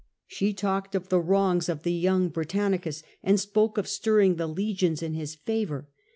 She talked of the wrongs of the young Britannicus, and spoke of stirring the legions in his favour.